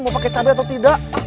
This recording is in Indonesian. mau pakai cabai atau tidak